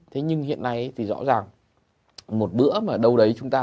thế nhưng hiện nay thì rõ ràng một bữa mà đâu đấy chúng ta